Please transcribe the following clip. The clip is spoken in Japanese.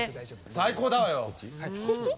最高だわよ。